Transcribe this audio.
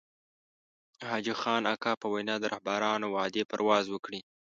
د حاجي خان اکا په وينا د رهبرانو وعدې پرواز وکړي.